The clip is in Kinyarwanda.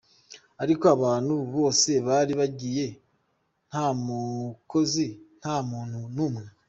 Ariko abantu bose bari bagiye, nta mukozi, nta muntu n’umwe.